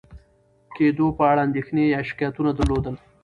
کېدو په اړه اندېښنې یا شکایتونه درلودل،